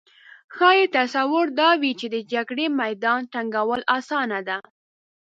ښايي تصور دا وي چې د جګړې میدان تنګول اسانه ده